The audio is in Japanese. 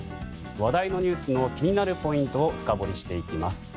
話題のニュースの気になるポイントを深掘りしていきます。